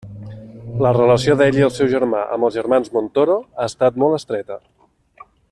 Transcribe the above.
La relació d'ell i el seu germà amb els germans Montoro ha estat molt estreta.